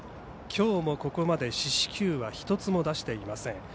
今日もここまで四死球は１つも出していません。